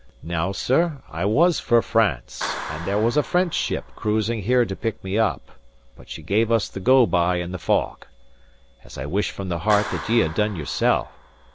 Now, sir, I was for France; and there was a French ship cruising here to pick me up; but she gave us the go by in the fog as I wish from the heart that ye had done yoursel'!